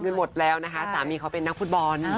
คือหมดแล้วนะคะสามีเขาเป็นนักฟุตบอล